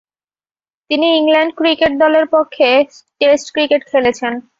তিনি England cricket দলের পক্ষে টেস্ট ক্রিকেট খেলেছেন।